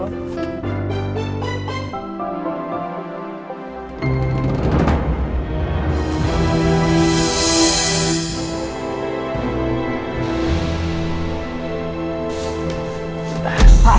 sampai jumpa lagi